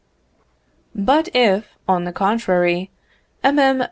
But if, on the contrary, MM.